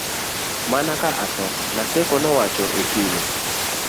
mana ka atho, Naseko nowacho e chunye